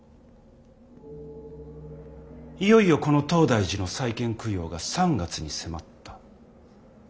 いよいよこの東大寺の再建供養が３月に迫った。